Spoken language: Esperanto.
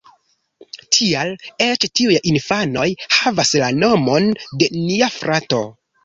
Tial eĉ tiuj infanoj havas la nomon de nia frato